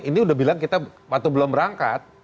ini udah bilang kita waktu belum berangkat